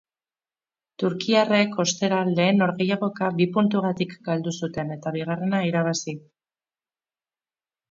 Turkiarrek, ostera, lehen norgehiagoka bi puntugtik galdu zuten eta bigarrena irabazi.